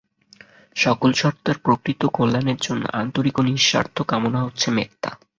সকল সত্তার প্রকৃত কল্যাণের জন্য আন্তরিক ও নিঃস্বার্থ কামনা হচ্ছে মেত্তা।